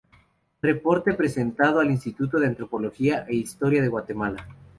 Reporte presentado al Instituto de Antropología e Historia de Guatemala.